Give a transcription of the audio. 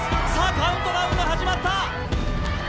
カウントダウンが始まった。